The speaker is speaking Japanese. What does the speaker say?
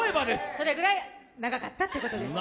それぐらい長かったということです。